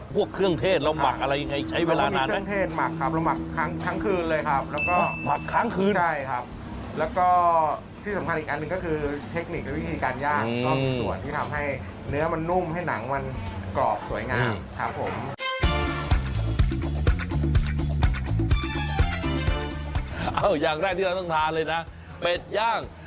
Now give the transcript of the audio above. เป็ดประกิ่งเลยอ่ะ